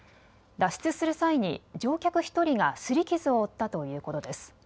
脱出する際に乗客１人がすり傷を負ったということです。